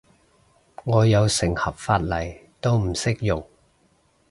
我有成盒髮泥都唔識用